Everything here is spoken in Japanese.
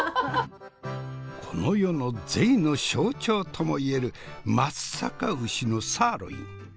この世の贅の象徴とも言える松阪牛のサーロイン。